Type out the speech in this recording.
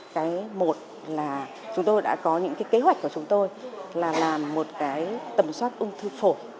cái một là chúng tôi đã có những cái kế hoạch của chúng tôi là làm một cái tầm soát ung thư phổi